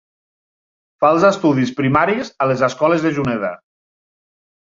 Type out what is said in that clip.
Fa els estudis primaris a les escoles de Juneda.